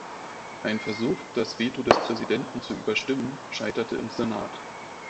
Ein Versuch, das Veto des Präsidenten zu überstimmen, scheiterte im Senat.